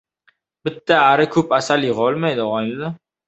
• Bitta ari ko‘p asal yig‘olmaydi.